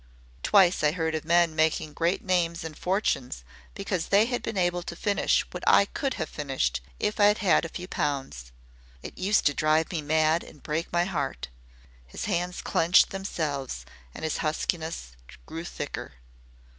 Twice I heard of men making great names and for tunes because they had been able to finish what I could have finished if I had had a few pounds. It used to drive me mad and break my heart." His hands clenched themselves and his huskiness grew thicker.